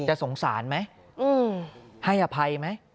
จะสงสารไหมให้อภัยไหม